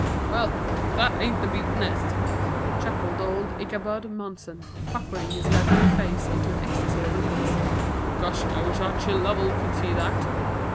"Well, if that ain't the beatin'est!" chuckled old Ichabod Munson, puckering his leathery face into an ecstasy of wrinkles. "Gosh, I wish Archie Lovell could see that.